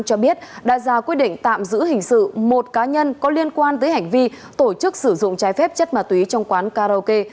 cho biết đại gia quy định tạm giữ hình sự một cá nhân có liên quan tới hành vi tổ chức sử dụng trái phép chất mà túy trong quán karaoke